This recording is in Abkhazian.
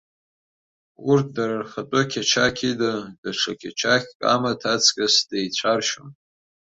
Урҭ дара рхатәы қьачақь ида, даҽа қьачақьк амаҭ аҵкыс деицәаршьон.